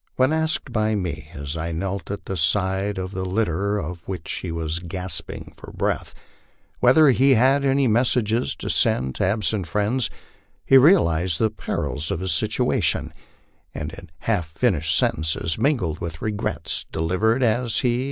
When asked by me, as I knelt at the side of the litter on which he was gasping for breath, whether he had any messages to send to absent friends, he realized the perils of his situation, and in half fin ished sentences, mingled with regrets, delivered, as he